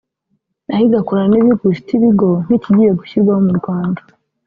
nayo igakorana n’ibihugu bifite ibigo nk’ikigiye gushyirwaho mu Rwanda